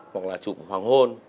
hoặc là chụp hoàng hôn